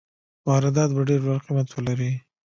واردات به ډېر لوړ قیمت ولري.